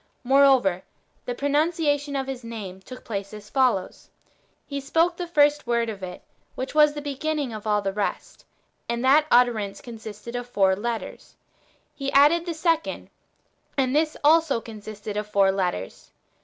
^Moreover, the pro nunciation of His name took place as follows :— He spake the first word of it, which was the beginning^ [of all the rest], and that utterance consisted of four letters. He added the second, and this also consisted of four letters.